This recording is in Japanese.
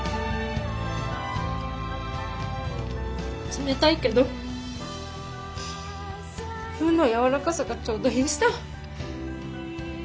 冷たいけど麩のやわらかさがちょうどいいさ。